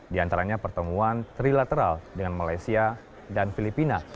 di antaranya pertemuan trilateral dengan malaysia dan filipina